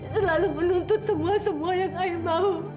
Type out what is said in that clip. selalu menuntut semua semua yang ayah mau